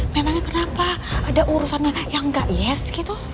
memangnya kenapa ada urusannya yang gak yes gitu